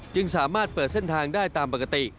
จึงสามารถเปิดเส้นทางได้ตามปกติ